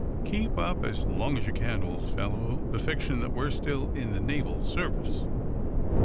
"Keep up as long as you can, old fellow, the fiction that we're still in the naval service."